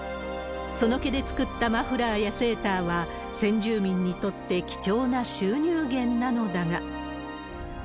その毛で作ったマフラーやセーターは、先住民にとって貴重な収入源なのだが。